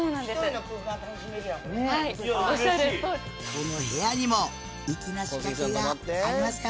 この部屋にも粋な仕掛けがありますよ。